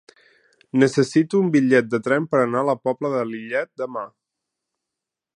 Necessito un bitllet de tren per anar a la Pobla de Lillet demà.